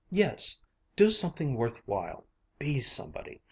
"Yes, do something worth while. Be somebody.